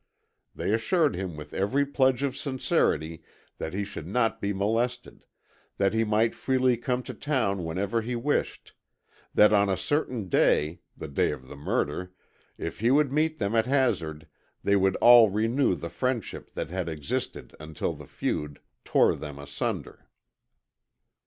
They assured him with every pledge of sincerity that he should not be molested; that he might freely come to town whenever he wished; that on a certain day (the day of the murder) if he would meet them at Hazard, they would all renew the friendship that had existed until the feud tore them asunder.